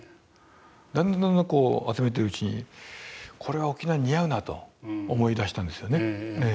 だんだんだんだんこう集めてるうちにこれは沖縄に似合うなと思いだしたんですよね。